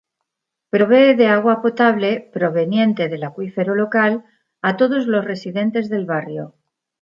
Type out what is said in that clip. Provee de agua potable proveniente del acuífero local a todos los residentes del barrio.